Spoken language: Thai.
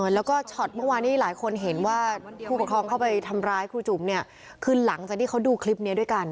แล้วก็ช็อตเมื่อวานนี้หลายคนเห็นว่าผู้ปกครองเข้าไปทำร้ายครูจุ๋มเนี่ยคือหลังจากที่เขาดูคลิปนี้ด้วยกัน